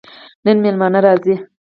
نن مېلمانه راځي